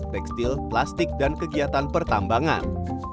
tekstil plastik dan kegiatan pertambangan